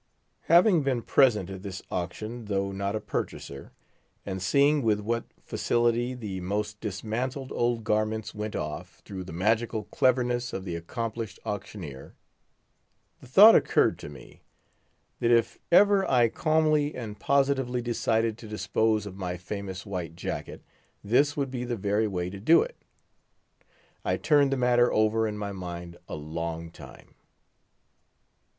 Having been present at this auction, though not a purchaser, and seeing with what facility the most dismantled old garments went off, through the magical cleverness of the accomplished auctioneer, the thought occurred to me, that if ever I calmly and positively decided to dispose of my famous white jacket, this would be the very way to do it. I turned the matter over in my mind a long time.